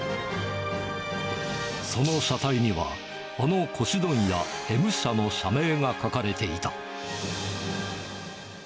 その車体には、あの古紙問屋、Ｍ社の社名が書かれていた。